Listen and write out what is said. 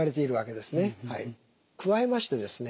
加えましてですね